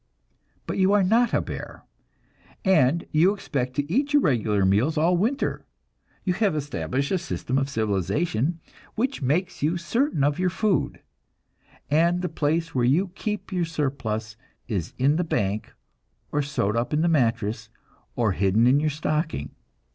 But you are not a bear, and you expect to eat your regular meals all winter; you have established a system of civilization which makes you certain of your food, and the place where you keep your surplus is in the bank, or sewed up in the mattress, or hidden in your stocking.